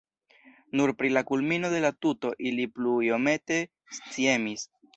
Nur pri la kulmino de la tuto ili plu iomete sciemis.